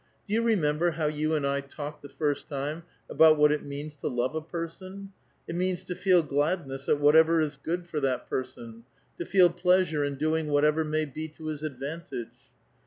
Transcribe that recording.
" Do you remember how you and I talked the first time about what it means to love a person ? It means to feel gladness at whatever is good for that person, to feel pleasure in doing whatever may be to his advantage."